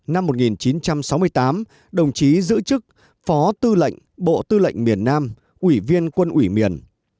năm một nghìn chín trăm sáu mươi tám đồng chí giữ chức phó tư lệnh bộ tư lệnh miền nam ủy viên quân ủy miền